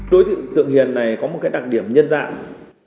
đối tượng tượng hiền này có một cái đặc điểm nhân dạng